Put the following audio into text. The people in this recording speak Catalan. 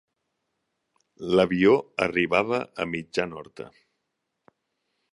L'avió arribava a mitjan horta.